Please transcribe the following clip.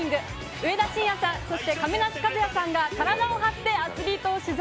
上田晋也さん、そして亀梨和也さんが体を張ってアスリートを取材。